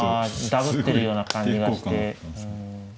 ダブってるような感じがして。